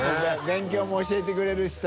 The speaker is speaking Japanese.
勉強も教えてくれるしさ。